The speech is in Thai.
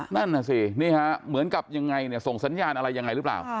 นั่นน่ะสินี่ฮะเหมือนกับยังไงเนี่ยส่งสัญญาณอะไรยังไงหรือเปล่า